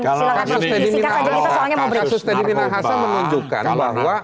kalau kasus teddy minahasa menunjukkan